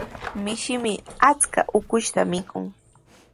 Mishimi achka ukushta mikun.